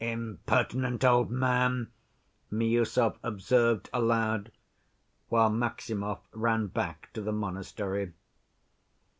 "Impertinent old man!" Miüsov observed aloud, while Maximov ran back to the monastery.